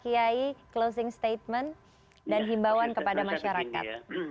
silakan untuk pak kiai closing statement dan imbauan kepada masyarakat